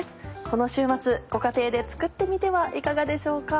この週末ご家庭で作ってみてはいかがでしょうか。